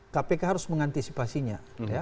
kpk harus mengantisipasinya